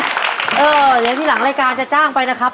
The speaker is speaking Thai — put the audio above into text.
เดี๋ยวที่หลังรายการจะจ้างไปนะครับ